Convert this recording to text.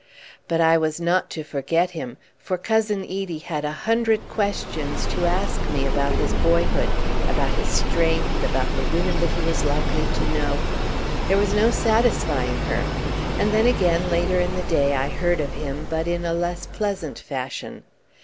But I was not to forget him, for Cousin Edie had a hundred questions to ask me about his boyhood, about his strength, about the women that he was likely to know; there was no satisfying her. And then again, later in the day, I heard of him, but in a less pleasant fashion.